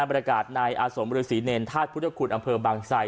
บรรยากาศนายอสมฤษิเนรทาสพุทธคุณอำเภอบางไซด์